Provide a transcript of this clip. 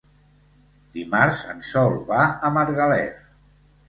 Dimarts en Sol va a Margalef.